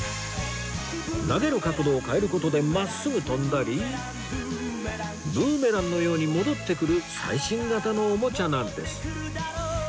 投げる角度を変える事で真っすぐ飛んだりブーメランのように戻ってくる最新型のおもちゃなんです